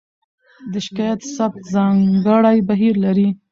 د شکایت ثبت ځانګړی بهیر لري.